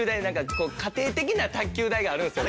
こう家庭的な卓球台があるんですよ。